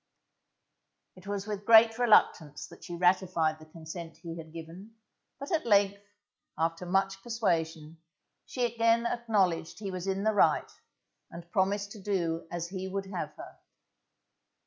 It was with great reluctance that she ratified the consent he had given, but at length, after much persuasion, she again acknowledged he was in the right, and promised to do as he would have her.